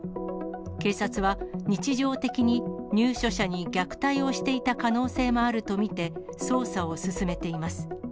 警察は、日常的に入所者に虐待をしていた可能性もあると見て、捜査を進めています。